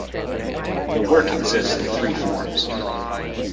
The work exists in three forms.